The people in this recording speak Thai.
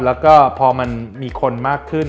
แล้วก็พอมันมีคนมากขึ้น